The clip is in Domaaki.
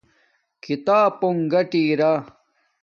کتابونݣ گاٹی راہ